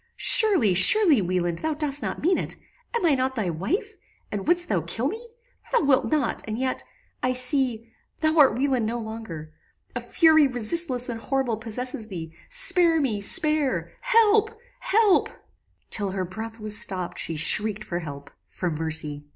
"Surely, surely Wieland, thou dost not mean it. Am I not thy wife? and wouldst thou kill me? Thou wilt not; and yet I see thou art Wieland no longer! A fury resistless and horrible possesses thee Spare me spare help help " "Till her breath was stopped she shrieked for help for mercy.